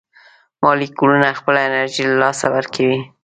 مالیکولونه خپله انرژي له لاسه ورکوي.